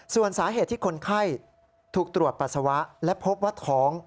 ส่วนสาเหตุที่คนไข้ถูกตรวจปัสสาวะและพบว่าท้อง